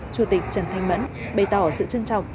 chủ tịch trần thanh mẫn bày tỏ sự trân trọng